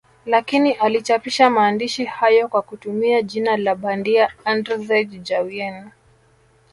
Lakini alichapisha maandishi hayo kwa kutumia jina la bandia Andrzej Jawien